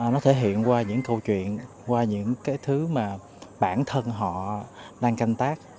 nó thể hiện qua những câu chuyện qua những cái thứ mà bản thân họ đang canh tác